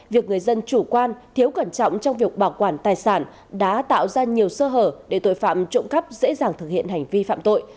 việc người dân chủ quan thiếu cẩn trọng trong việc bảo quản tài sản đã tạo ra nhiều sơ hở để tội phạm trộm cắp dễ dàng thực hiện hành vi phạm tội